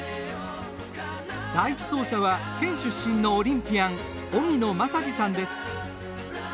第１走者は県出身のオリンピアン荻野正二さんです。